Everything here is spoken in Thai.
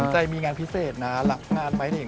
ใครมีงานพิเศษนะหลักงานไหมเนี่ย